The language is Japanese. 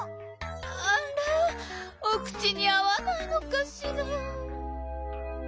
あらお口にあわないのかしら。